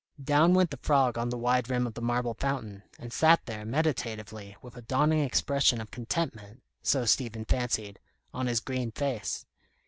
Down went the frog on the wide rim of the marble fountain, and sat there, meditatively, with a dawning expression of contentment, so Stephen fancied, on his green face.